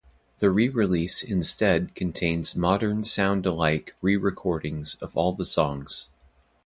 The re-release instead contains modern sound-alike re-recordings of all the songs.